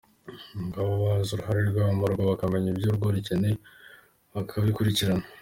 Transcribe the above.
Ngo baba bazi uruhare rwabo mu rugo bakamenya ibyo urugo rukeneye bakabikurikirana,.